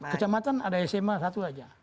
kecamatan ada sma satu saja